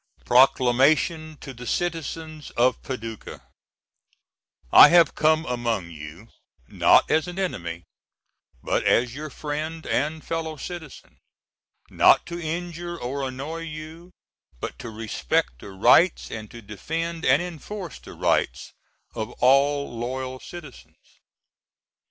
PROCLAMATION TO THE CITIZENS OF PADUCAH! I have come among you, not as an enemy, but as your friend and fellow citizen, not to injure or annoy you, but to respect the rights, and to defend and enforce the rights of all loyal citizens.